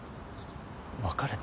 別れた？